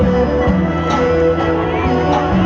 สวัสดี